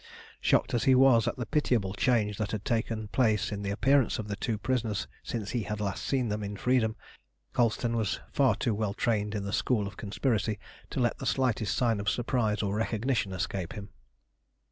Shocked as he was at the pitiable change that had taken place in the appearance of the two prisoners since he had last seen them in freedom, Colston was far too well trained in the school of conspiracy to let the slightest sign of surprise or recognition escape him.